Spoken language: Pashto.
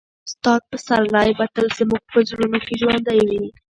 استاد پسرلی به تل زموږ په زړونو کې ژوندی وي.